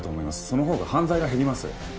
そのほうが犯罪が減ります。